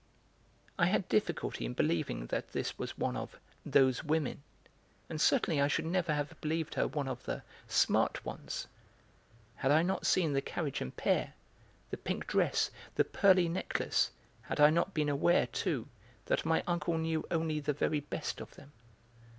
I had difficulty in believing that this was one of 'those women,' and certainly I should never have believed her one of the 'smart ones' had I not seen the carriage and pair, the pink dress, the pearly necklace, had I not been aware, too, that my uncle knew only the very best of them.